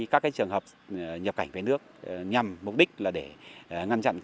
các trường hợp nhập cảnh về nước nhằm mục đích là để ngăn chặn